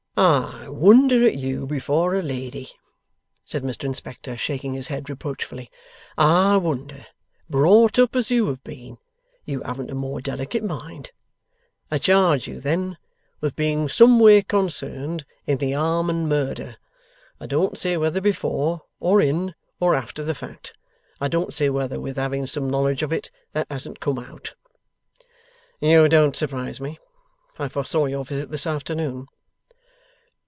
'I wonder at you before a lady,' said Mr Inspector, shaking his head reproachfully: 'I wonder, brought up as you have been, you haven't a more delicate mind! I charge you, then, with being some way concerned in the Harmon Murder. I don't say whether before, or in, or after, the fact. I don't say whether with having some knowledge of it that hasn't come out.' 'You don't surprise me. I foresaw your visit this afternoon.